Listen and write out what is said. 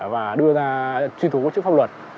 và đưa ra truy thú chức pháp luật